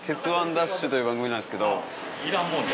ＤＡＳＨ‼』という番組なんですけど。